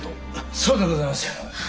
そうでございますよ。